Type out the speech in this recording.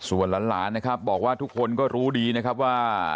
ส่วนหลานนะครับบอกว่าทุกคนก็รู้ดีนะครับว่า